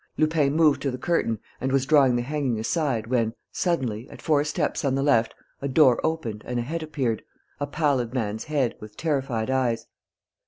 Lupin moved to the curtain and was drawing the hanging aside when, suddenly, at four steps on the left, a door opened and a head appeared, a pallid man's head, with terrified eyes.